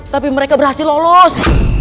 tapi mereka berhasil lolos